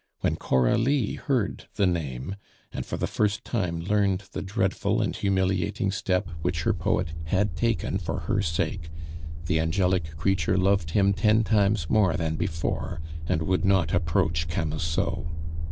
When Coralie heard the name, and for the first time learned the dreadful and humiliating step which her poet had taken for her sake, the angelic creature loved him ten times more than before, and would not approach Camusot.